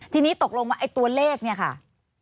ทีนี้ตกลงว่าไอ้ตัวเลขเนี่ยค่ะ